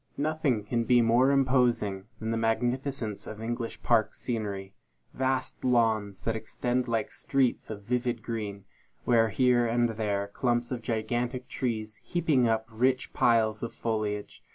Nothing can be more imposing than the magnificence of English park scenery. Vast lawns that extend like sheets of vivid green, with here and there clumps of gigantic trees, heaping up rich piles of foliage.